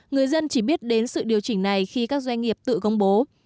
người dân chỉ biết đến sự điều chỉnh này khi các doanh nghiệp tự công bố